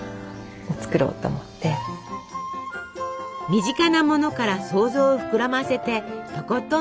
身近なものから想像を膨らませてとことん楽しむ。